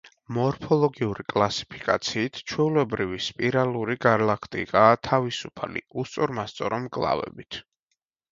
მორფოლოგიური კლასიფიკაციით, ჩვეულებრივი სპირალური გალაქტიკაა თავისუფალი, უსწორმასწორო მკლავებით.